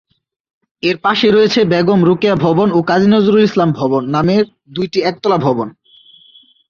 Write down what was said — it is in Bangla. এর পাশেই রয়েছে "বেগম রোকেয়া ভবন" ও "কাজী নজরুল ইসলাম ভবন" নামে দুইটি একতলা ভবন।